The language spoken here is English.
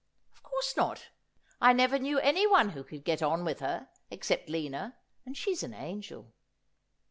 ' Of course not. I never knew any one who could get on with her, except Lina, and she's an angel.'